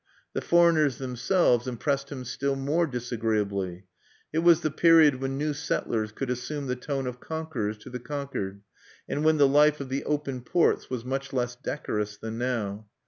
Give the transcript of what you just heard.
The foreigners themselves impressed him still more disagreeably: it was the period when new settlers could assume the tone of conquerors to the conquered, and when the life of the "open ports" was much less decorous than now.